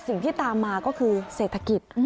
สิ่งที่ตามมาก็คือเศรษฐกิจ